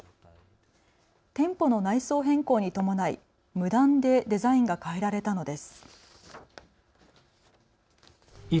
店舗の内装変更に伴い無断でデザインが変えられたのです。